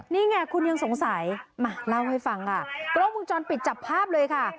นี่ไงคุณยังสงสัยมาเล่าให้ฟังค่ะกล้องมุมจรปิดจับภาพเลยค่ะ